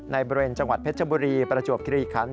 ในบริเวณจังหวัดเพชรบุรีประจวบคลีขันศ์